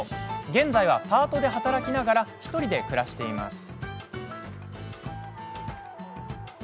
現在はパートで働きながら１人で暮らしています。